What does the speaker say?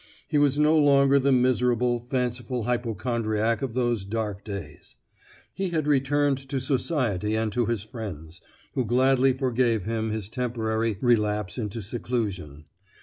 He was no longer the miserable, fanciful hypochondriac of those dark days. He had returned to society and to his friends, who gladly forgave him his temporary relapse into seclusion.